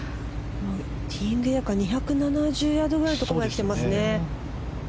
ティーインググラウンドから２７０ヤードぐらいのところまで打ってますね。